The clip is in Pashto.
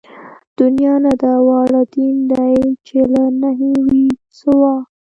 دنيا نه ده واړه دين دئ چې له نَهېِ وي سِوا